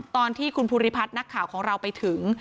ตอนที่คุณภูริพัฒน์นักข่าวของเราไปถึง